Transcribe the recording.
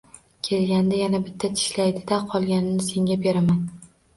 Kelganida yana bitta tishlaydi-da, qolganini senga beraman.